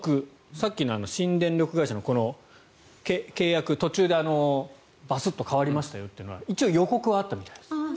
さっきの新電力会社の契約途中でバスッと変わりますよというのは一応予告はあったみたいです。